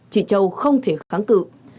chị châu không thể kháng cự